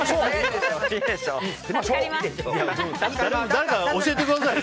誰か、教えてくださいよ。